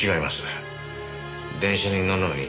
電車に乗るのに